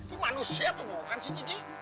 ini manusia apa bukan sih cici